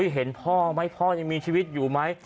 เห็นพ่อไหมพ่อยังมีชีวิตอยู่ไหม